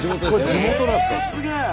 地元なんですか？